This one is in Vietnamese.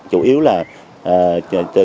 chủ yếu là từ cái sự thay đổi